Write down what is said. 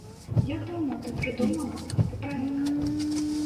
Як даўно ты прыдумала гэты праект?